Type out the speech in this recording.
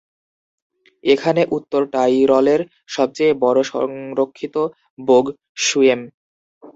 এখানে উত্তর টাইরলের সবচেয়ে বড় সংরক্ষিত বোগ, "শ্যুয়েম"।